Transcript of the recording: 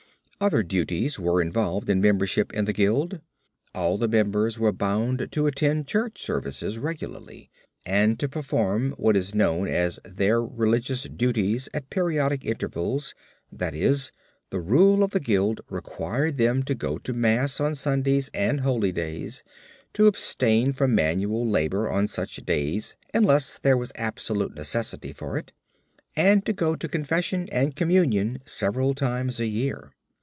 Other duties were involved in membership in the guild. All the members were bound to attend church services regularly and to perform what is known as their religious duties at periodic intervals, that is, the rule of the guild required them to go to mass on Sundays and holy days, to abstain from manual labor on such days unless there was absolute necessity for it, and to go to confession and communion several times a year.